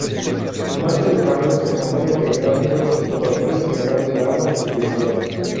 El manto de fangos se compone de gránulos o partículas además del agua residual.